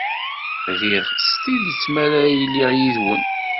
Riɣ s tidet mi ara iliɣ yid-wen.